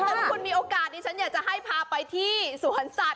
แต่ถ้าคุณมีโอกาสดิฉันอยากจะให้พาไปที่สวนสัตว